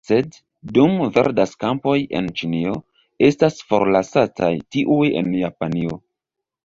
Sed, dum verdas kampoj en Ĉinio, estas forlasataj tiuj en Japanio.